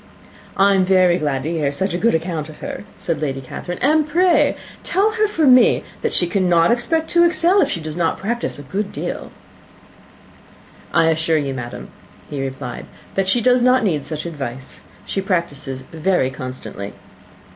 "I am very glad to hear such a good account of her," said Lady Catherine; "and pray tell her from me, that she cannot expect to excel, if she does not practise a great deal." "I assure you, madam," he replied, "that she does not need such advice. She practises very constantly."